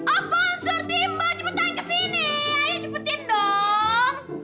open sur tim poc cepetin kesini ayo cepetin dong